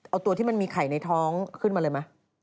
เอาตัวที่มันมีไข่ในท้องขึ้นมาเลยไหม